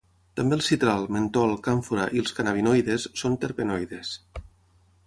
També el citral, mentol, càmfora i els cannabinoides són terpenoides.